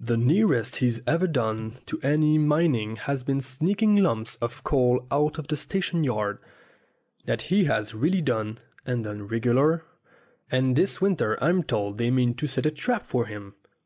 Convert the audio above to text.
The nearest he's ever done to any mining has been sneaking lumps of coal out of the station yard. That he has really done, and done regular, and this winter I'm told they mean to set a trap for him.